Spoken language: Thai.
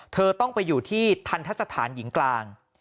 เธอต้องไปอยู่ที่ทันทะสถานหญิงกลาง